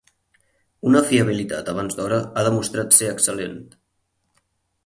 Una fiabilitat abans d'hora ha demostrat ser excel·lent.